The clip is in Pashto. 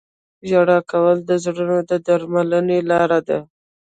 • ژړا کول د زړونو د درملنې لاره ده.